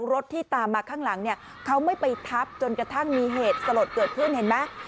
รถที่ตามมาข้างหลังเนี่ยเขาไม่ไปทับจนกระทั่งมีเหตุสลดเกิดขึ้นเห็นไหม